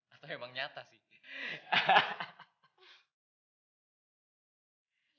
atau emang nyata sih